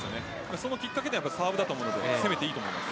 そのきっかけはサーブだと思うので攻めていいと思います。